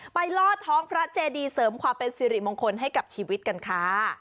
ลอดท้องพระเจดีเสริมความเป็นสิริมงคลให้กับชีวิตกันค่ะ